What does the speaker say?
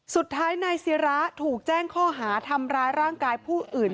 สุดท้ายนายศิระถูกแจ้งข้อหาทำร้ายร่างกายผู้อื่น